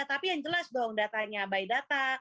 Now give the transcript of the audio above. tapi yang jelas dong datanya by data